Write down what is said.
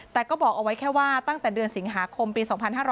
แต่ก็บอกเอาไว้แค่ว่าตั้งแต่เดือนสิงหาคมปี๒๕๕๙